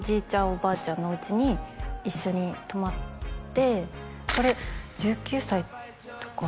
おばあちゃんのお家に一緒に泊まってこれ１９歳とか？